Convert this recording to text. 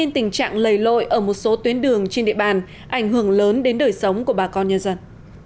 tình trạng lầy lội ở một số tuyến đường trên địa bàn ảnh hưởng lớn đến đời sống của bà con nhân dân